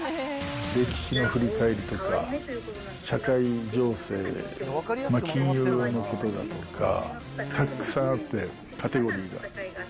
歴史の振り返りとか、社会情勢、金融のことだとか、たくさんあって、カテゴリーが。